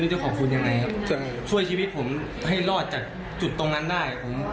ช่วยชีวิตผมให้รอดจากจุดตรงนั้นได้